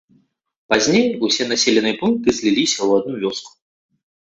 Пазней усе населеныя пункты зліліся ў адну вёску.